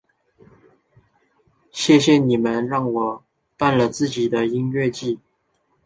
谢谢你们让我们办了自己的音乐祭！